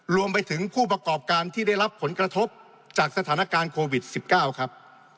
รวมไปถึงผู้ประกอบการที่ได้รับผลกระทบจากสถานการณ์โควิด๑๙ครับ